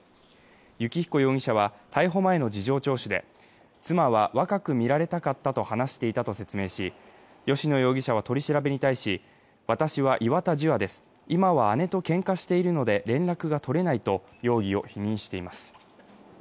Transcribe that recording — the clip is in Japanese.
幸彦容疑者は逮捕前の事情聴取で妻は若く見られたかったと話していたと説明し吉野容疑者は取り調べに対し、私は岩田樹亜です、今は姉とけんかしているので連絡が取れないと容疑を否認しています。